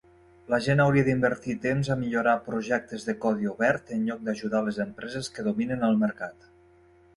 La gent hauria d'invertir temps a millorar projectes de codi obert en lloc d'ajudar les empreses que dominen el mercat.